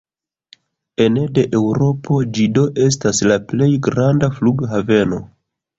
Ene de Eŭropo, ĝi do estas la plej granda flughaveno.